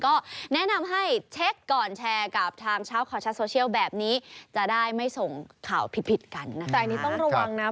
ก็แนะนำให้เช็กก่อนแชร์กับทางชาวขอชัดโซเชียลแบบนี้จะได้ไม่ส่งข่าวผิดกันนะครับ